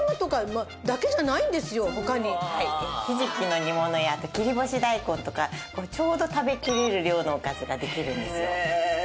ひじきの煮物や切り干し大根とかちょうど食べきれる量のおかずができるんですよ。